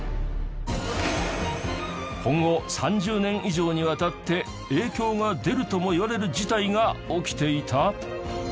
今後３０年以上にわたって影響が出るともいわれる事態が起きていた！？